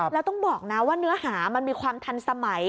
แล้วต้องบอกนะว่าเนื้อหามันมีความทันสมัย